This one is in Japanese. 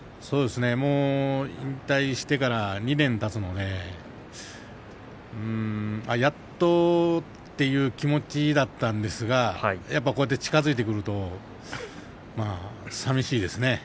引退してから２年たつのでやっとという気持ちだったんですが近づいてくるとさみしいですね。